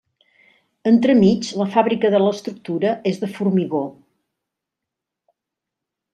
Entremig, la fàbrica de l'estructura és de formigó.